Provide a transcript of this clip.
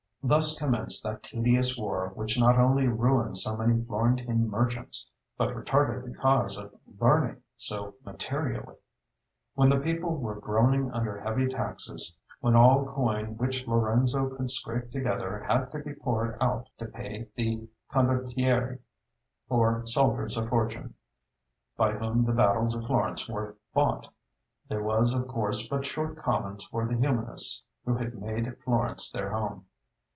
Thus commenced that tedious war which not only ruined so many Florentine merchants, but retarded the cause of learning so materially. When the people were groaning under heavy taxes, when all coin which Lorenzo could scrape together had to be poured out to pay the condottieri, or soldiers of fortune, by whom the battles of Florence were fought, there was of course but short commons for the humanists who had made Florence their home.